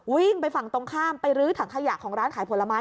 วิ่งไปฝั่งตรงข้ามไปรื้อถังขยะของร้านขายผลไม้